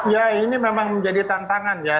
ya ini memang menjadi tantangan ya